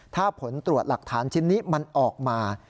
ถ้าผลตรวจหลักฐานชิ้นนี้มันออกมา